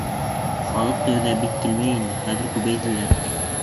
Халыҡ тәүҙә бик килмәй ине, хәҙер күбәйҙеләр.